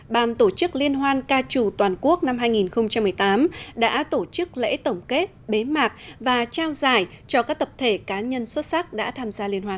ban tổ chức liên hoan ca trù toàn quốc năm hai nghìn một mươi tám đã tổ chức lễ tổng kết bế mạc và trao giải cho các tập thể cá nhân xuất sắc đã tham gia liên hoàn